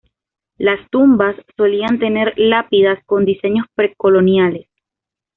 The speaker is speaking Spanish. Las tumbas solían tener lápidas con diseños pre-coloniales.